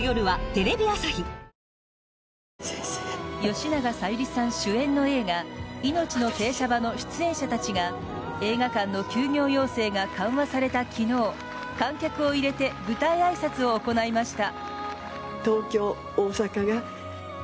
吉永小百合さん主演の映画「いのちの停車場」の出演者たちが映画館の休業要請が緩和された昨日観客を入れて舞台あいさつを行いました。